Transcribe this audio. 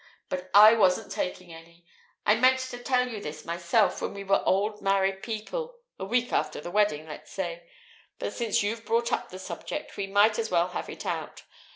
But I 'wasn't taking any'. I meant to tell you this myself when we were old married people a week after the wedding, let's say! But since you've brought up the subject, we might as well have it out.